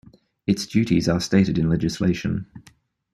Its duties are stated in legislation.